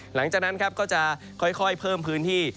หลังจากนั้นครับก็จะค่อยเพิ่มพื้นที่